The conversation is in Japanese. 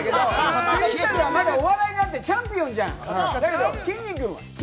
お笑いがあって、チャンピオンじゃん。